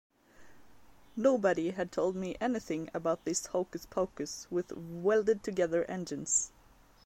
Nobody had told me anything about this hocus-pocus with welded-together engines.